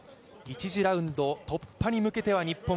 １次ラウンド突破に向けては日本